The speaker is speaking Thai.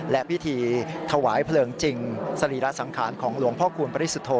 และพิธีถวายเพลิงจริงสรีระสังขารของหลวงพ่อคูณปริสุทธโธ